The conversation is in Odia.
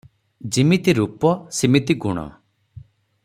ଯିମିତି ରୂପ ସିମିତି ଗୁଣ ।